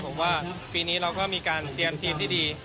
ผมว่าปีนี้เราก็มีการเตรียมทีมที่ดี